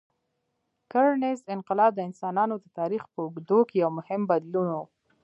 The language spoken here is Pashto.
کرنيز انقلاب د انسانانو د تاریخ په اوږدو کې یو مهم بدلون و.